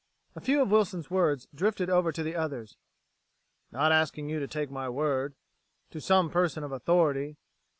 A few of Wilson's words drifted over to the others; "...not asking you to take my word ... to some person of authority